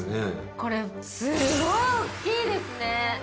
これすごい大きいですね。